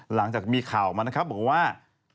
หลังจากมีข่าวมานะครับบอกว่า